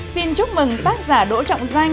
xin chúc mừng tác giả đỗ trọng danh